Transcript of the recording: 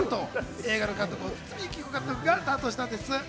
映画の監督を堤幸彦監督が担当したんです。